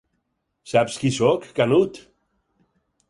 ¿Saps qui sóc, Canut?